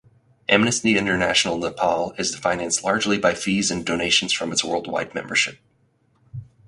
Amnesty International Nepal is financed largely by fees and donations from its worldwide membership.